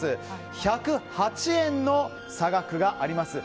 １０８円の差額があります。